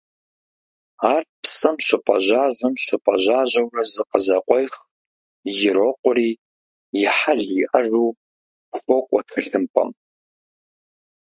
Ар псэм щыпӀэжьажьэм – щыпӀэжьажьэурэ зыкъызэкъуех, ирокъури, «и хьэл иӀэжу» хуокӀуэ тхылъымпӀэм.